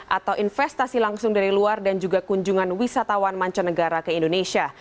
atau investasi langsung dari luar dan juga kunjungan wisatawan mancanegara ke indonesia